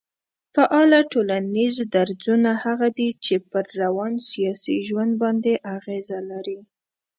فعاله ټولنيز درځونه هغه دي چي پر روان سياسي ژوند باندي اغېز لري